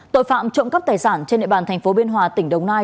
tội phạm trộm cắp tài sản trên địa bàn tp biên hòa tỉnh đồng nai